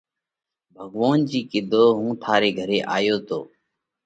ڀڳوونَ جِي ڪِيڌو: هُون ٿاري گھري آيو تو۔